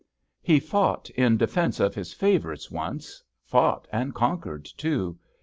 He fought in defence of his favourites once — fought and conquered, too.